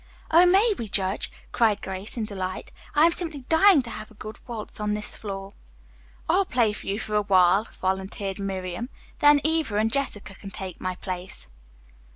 "Oh, may we, Judge?" cried Grace in delight. "I am simply dying to have a good waltz on this floor." "I'll play for you for a while," volunteered Miriam, "then Eva and Jessica can take my place."